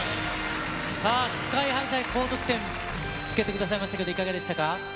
ＳＫＹーＨＩさん、高得点つけてくださいましたけど、いかがでしたか。